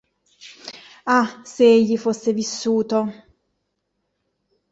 Ah, se egli fosse vissuto!